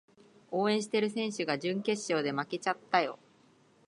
応援してる選手が準決勝で負けちゃったよ